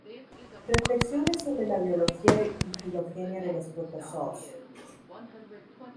Reflexiones sobre la biología y filogenia de los protozoos"".